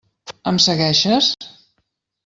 Em segueixes?